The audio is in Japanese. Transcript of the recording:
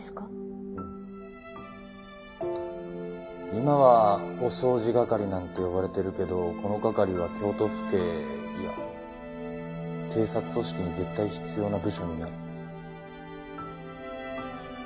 今はお掃除係なんて呼ばれてるけどこの係は京都府警いや警察組織に絶対必要な部署になる。